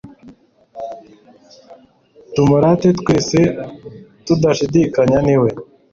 tumurate twese tudashidikanya, ni we